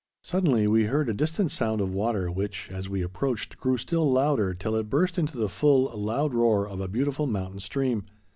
Suddenly we heard a distant sound of water, which, as we approached, grew still louder, till it burst into the full, loud roar of a beautiful mountain stream.